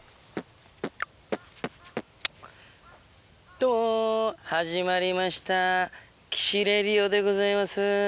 どもー、始まりました、岸レディオでございますー。